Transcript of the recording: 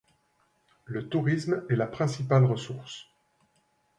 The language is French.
Le tourisme est la principale ressource.